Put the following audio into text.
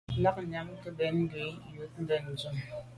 Lagnyam ke mbèn ngù wut ben ndume.